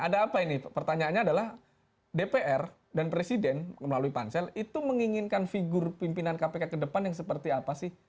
ada apa ini pertanyaannya adalah dpr dan presiden melalui pansel itu menginginkan figur pimpinan kpk ke depan yang seperti apa sih